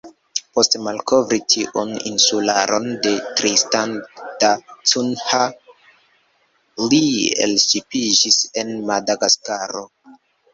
Post malkovri tiun insularon de Tristan da Cunha, li elŝipiĝis en Madagaskaro.